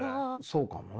そうかもな。